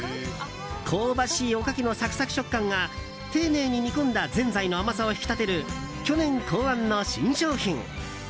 香ばしいおかきのサクサク食感が丁寧に煮込んだぜんざいの甘さを引き立てる去年考案の新商品。